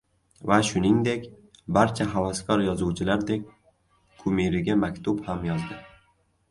Va shuningdek, barcha havaskor yozuvchilardek kumiriga maktub ham yozdi: